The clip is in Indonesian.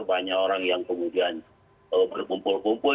banyak orang yang kemudian berkumpul kumpul